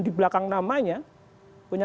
di belakang namanya punya